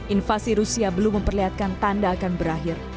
invasi rusia belum memperlihatkan tanda akan berakhir